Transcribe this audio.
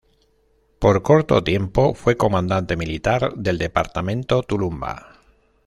Por corto tiempo fue comandante militar del departamento Tulumba.